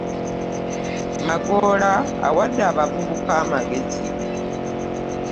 Magoola awadde abavubuka amagezi